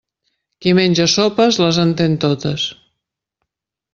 Qui menja sopes, les entén totes.